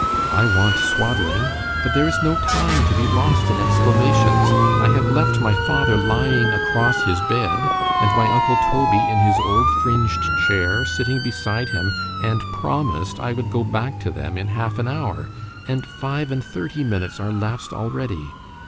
——I want swaddling——but there is no time to be lost in exclamations——I have left my father lying across his bed, and my uncle Toby in his old fringed chair, sitting beside him, and promised I would go back to them in half an hour; and five and thirty minutes are laps'd already.